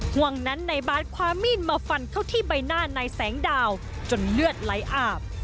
ห่วงนั้นนายบาทความมีดมาฟันเข้าที่ใบหน้านายแสงดาวจนเลือดไหลอาบ